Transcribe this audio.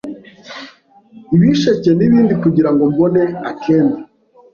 ibisheke n’ibindi kugirango mbone akenda